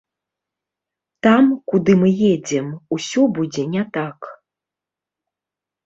Там, куды мы едзем, усё будзе не так.